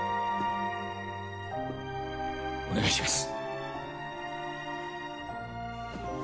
お願いします